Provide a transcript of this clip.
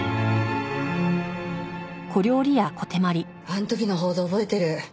あの時の報道覚えてる。